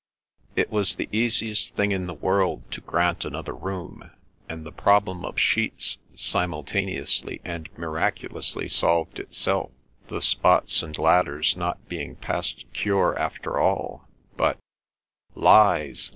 It was the easiest thing in the world to grant another room, and the problem of sheets simultaneously and miraculously solved itself, the spots and ladders not being past cure after all, but— "Lies!